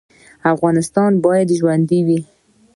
افغانستان باید ژوندی وي